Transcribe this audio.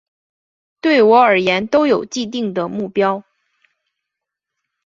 对我而言都有既定的目标